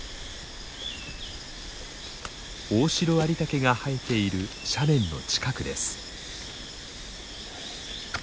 オオシロアリタケが生えている斜面の近くです。